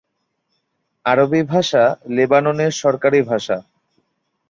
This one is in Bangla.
আরবি ভাষা লেবাননের সরকারি ভাষা।